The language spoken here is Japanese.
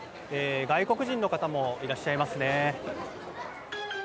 外国人の方もいらっしゃいますね。